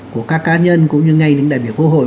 của các cá nhân cũng như ngay những đại biểu quốc hội